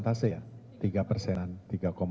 masih dibawah kekembuan ekonomi